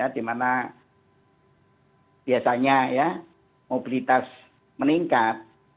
di mana biasanya ya mobilitas meningkat